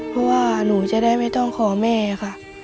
เพราะว่าหนูจะได้ไม่ต้องขอแม่ค่ะ